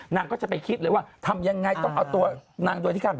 นางก็จะไปคิดเลยว่าทำอย่างไรต้องเอาตัว